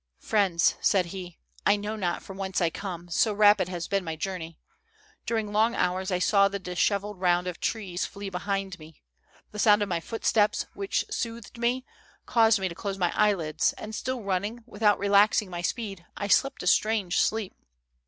"Friends," said he, "I know not from whence I come, 18 290 THE soldiers' DREAMS. SO rapid has been my joarney. During long hours, I saw the dishevelled round of trees flee behind me. The sound of my footsteps, which soothed me, caused me to close my eyelids, and, still running, without relaxing my speed, I slept a strange sleep.